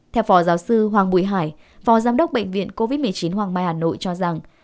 theo phó giáo sư hoàng bùi hải phó giám đốc bệnh viện covid một mươi chín hoàng mai hà nội cho rằng